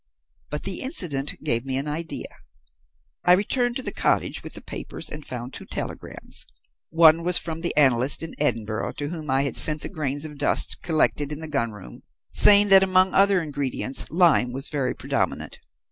But the incident gave me an idea. "I returned to the cottage with the papers, and found two telegrams. One was from the analyst in Edinburgh to whom I had sent the grains of dust collected in the gun room, saying that among other ingredients lime was very predominant.